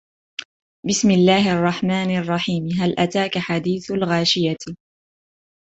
بِسْمِ اللَّهِ الرَّحْمَنِ الرَّحِيمِ هَلْ أَتَاكَ حَدِيثُ الْغَاشِيَةِ